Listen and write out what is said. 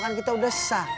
kan kita udah sah